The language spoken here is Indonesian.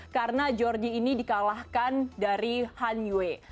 karena jordi ini dikalahkan dari han yue